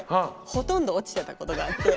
ほとんど落ちてたことがあって。